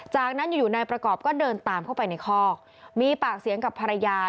จากนั้นอยู่นายประกอบก็เดินตามเข้าไปในคอกมีปากเสียงกับภรรยา